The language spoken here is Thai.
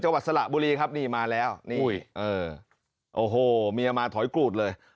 จังหวัดสระบุรีครับนี่มาแล้วนี่เออโอ้โหเมียมาถอยกรูดเลย